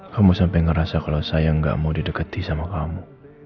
kamu sampai ngerasa kalau saya nggak mau didekati sama kamu